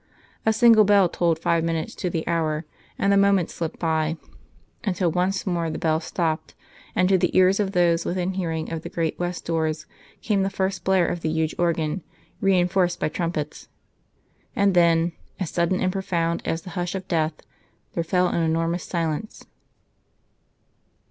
A single bell tolled five minutes to the hour, and the moments slipped by, until once more the bell stopped, and to the ears of those within hearing of the great west doors came the first blare of the huge organ, reinforced by trumpets. And then, as sudden and profound as the hush of death, there fell an enormous silence.